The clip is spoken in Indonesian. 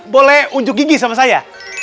boleh unjuk gigi sama saya